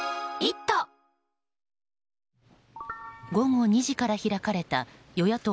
午後２時から開かれた与野党６